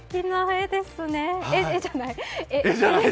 絵じゃない。